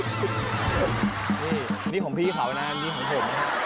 นี่นี่ของพี่ขาวนะนี่ของผมนะครับ